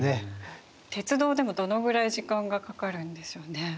鉄道でもどのぐらい時間がかかるんでしょうね？